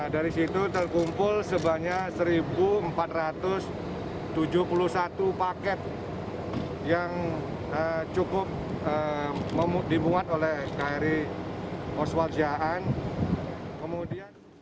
dari situ terkumpul sebanyak satu empat ratus tujuh puluh satu paket yang cukup dimuat oleh kri oswal siaan